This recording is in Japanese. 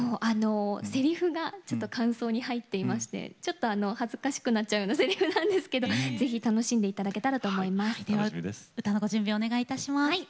せりふが間奏に入っていまして恥ずかしくなっちゃうようなせりふなんですけどぜひ楽しんでいただけたらなと思います。